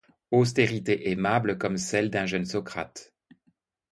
Austérité aimable comme celle d'un jeune Socrate.